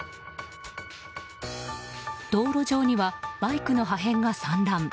道路上にはバイクの破片が散乱。